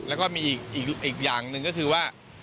แล้วก็มีอีกอย่างหนึ่งก็คือว่า